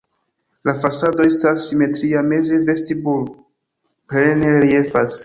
La fasado estas simetria, meze vestiblo plene reliefas.